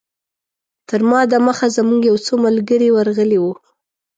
تر ما دمخه زموږ یو څو ملګري ورغلي وو.